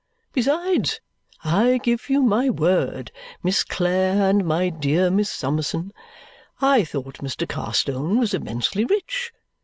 Besides, I give you my word, Miss Clare and my dear Miss Summerson, I thought Mr. Carstone was immensely rich.